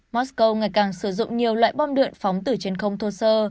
moscow ngày càng sử dụng nhiều loại bom đượn phóng từ trên không thô sơ